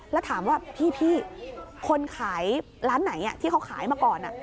แล้วถามว่าพี่คนขายร้านไหนที่เขาขายมาก่อน